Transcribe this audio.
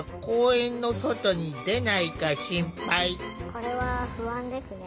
これは不安ですね。